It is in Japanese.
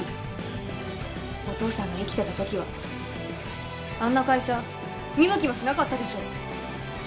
お父さんの生きてたときはあんな会社見向きもしなかったでしょ。